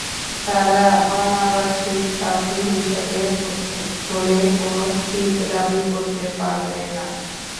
তারা অনাবাসিক ছাত্রী হিসেবে হলে কোনো সিট দাবি করতে পারবে না।